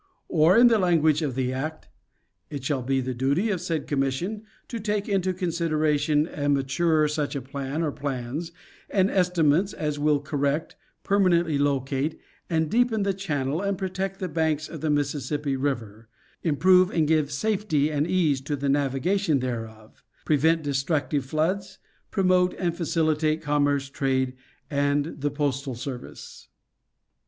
Or in the language of the act: 'It shall be the duty of said Commission to take into consideration and mature such plan or plans, and estimates, as will correct, permanently locate, and deepen the channel and protect the banks of the Mississippi river; improve and give safety and ease to the navigation thereof ; prevent destructive floods ; promote and facilitate commerce, trade, and the postal service."